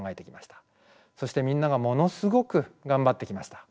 そしてみんながものすごくがんばってきました。